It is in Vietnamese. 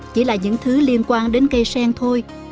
chỉ là những thứ liên quan đến cây sen thôi